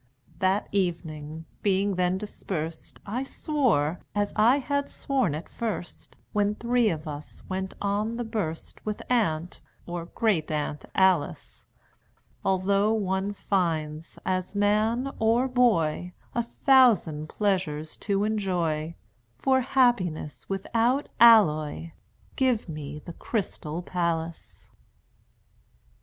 That evening, being then dispersed I swore (as I had sworn it first When three of us went on the burst With Aunt, or Great Aunt, Alice), "Although one finds, as man or boy, A thousand pleasures to enjoy, For happiness without alloy Give me the Crystal Palace!"